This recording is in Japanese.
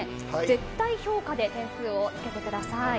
絶対評価で点数をつけてください。